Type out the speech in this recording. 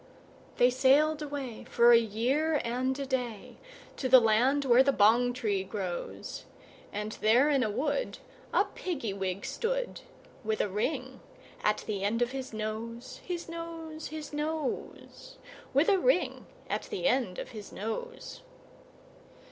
They sailed away, for a year and a day, To the land where the bong tree grows; And there in a wood a Piggy wig stood, With a ring at the end of his nose, His nose, His nose, With a ring at the end of his nose.